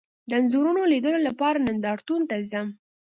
د انځورونو لیدلو لپاره نندارتون ته ځم